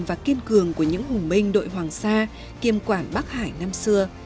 văn cường của những hùng binh đội hoàng sa kiêm quản bắc hải năm xưa